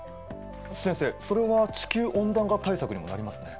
先生それは地球温暖化対策にもなりますね。